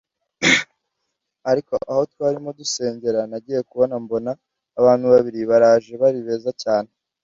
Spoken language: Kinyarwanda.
Ariko aho twarimo dusengera nagiye kubona mbona abantu babiri baraje bari beza cyane